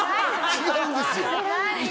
違うんですよ。